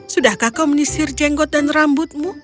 sudahkah kau menyisir jenggot dan rambutmu